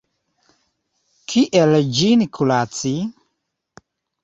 Kiel ĝin kuraci?